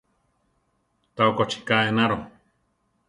Tá okochi ká enaro.